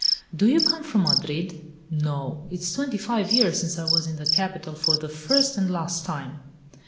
"Do you come from Madrid?" "No. It is twenty five years since I was in the capital, for the first and last time."